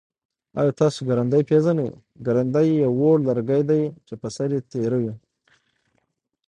آیا تاسو کرندی پیژنی؟ کرندی یو وړ لرګی دی چه سر یي تیره وي.